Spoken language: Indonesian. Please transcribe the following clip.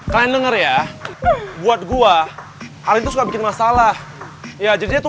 kalian denger ya buat gua hal itu suka bikin masalah ya jadi itu